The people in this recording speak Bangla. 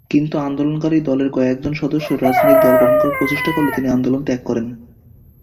কিন্তু আন্দোলনকারী দলের কয়েকজন সদস্য রাজনৈতিক দল গঠন করার প্রচেষ্টা করলে তিনি আন্দোলন ত্যাগ করেন।